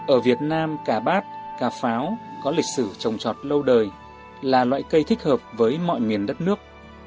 ở việt nam cả bát cà pháo có lịch sử trồng trọt lâu đời là loại cây thích hợp với mọi miền đất nước